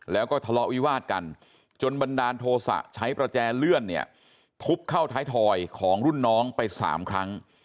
แล้วก็ทะเลาะวิวาดกันจนบันดาลโทษะใช้ประแจเลื่อนเนี่ยทุบเข้าท้ายถอยของรุ่นน้องไป๓ครั้ง